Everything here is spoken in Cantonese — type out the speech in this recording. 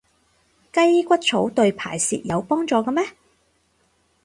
雞骨草對排泄有幫助嘅咩？